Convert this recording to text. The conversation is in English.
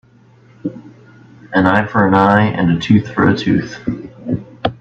An eye for an eye and a tooth for a tooth.